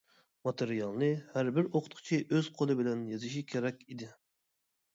ماتېرىيالنى ھەربىر ئوقۇتقۇچى ئۆز قولى بىلەن يېزىشى كېرەك ئىدى.